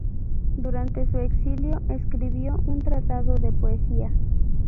Durante su exilio escribió un tratado de poesía.